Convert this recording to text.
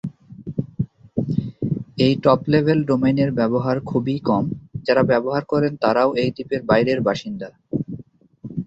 এই top level ডোমেইনের ব্যবহার খুবই কম; যারা ব্যবহার করেন তারও এই দ্বীপের বাইরের বাসিন্দা।